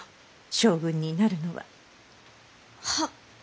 将軍になるのは。は？